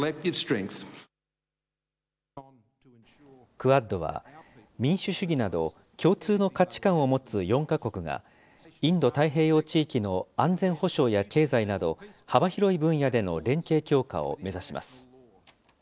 クアッドは、民主主義など、共通の価値観を持つ４か国が、インド太平洋地域の安全保障や経済など、幅広い分野での連携強化を目指します。